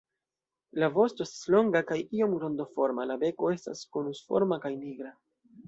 La vosto estas longa kaj iom rondoforma; la beko estas konusforma kaj nigra.